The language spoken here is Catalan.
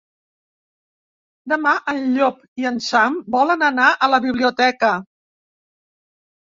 Demà en Llop i en Sam volen anar a la biblioteca.